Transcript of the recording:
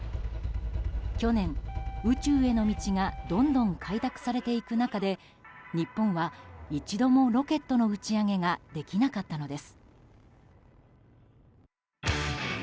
去年、宇宙への道がどんどん開拓されていく中で日本は一度もロケットの打ち上げができなかったのです。